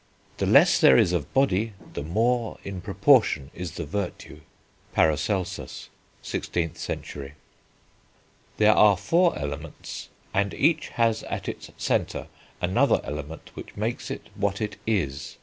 the less there is of body, the more in proportion is the virtue." (Paracelsus, 16th century.) "There are four elements, and each has at its centre another element which makes it what it is.